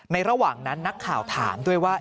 ระหว่างนั้นนักข่าวถามด้วยว่า